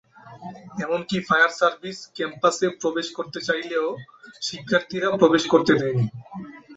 এমনকি fire service ক্যাম্পাসে প্রবেশ করতে চাইলেও, শিক্ষার্থীরা প্রবেশ করতে দেয়নি।